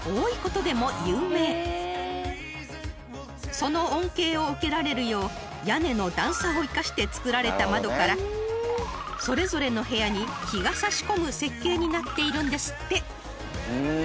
［その恩恵を受けられるよう屋根の段差を生かして作られた窓からそれぞれの部屋に日が差し込む設計になっているんですって］